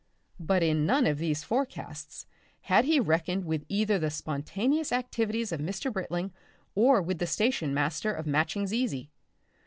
But in none of these forecasts had he reckoned with either the spontaneous activities of Mr. Britling or with the station master of Matching's Easy.